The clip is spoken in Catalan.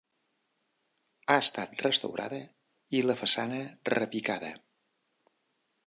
Ha estat restaurada i la façana repicada.